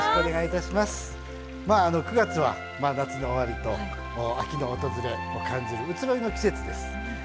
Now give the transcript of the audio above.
９月は夏の終わりと秋の訪れを感じる移ろいの季節です。